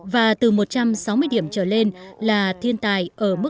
và từ một trăm sáu mươi điểm trở lên là thiên tài